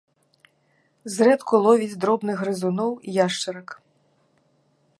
Зрэдку ловіць дробных грызуноў, яшчарак.